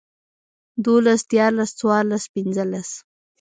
دولس ديارلس څوارلس پنځلس